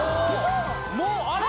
もうあれ！？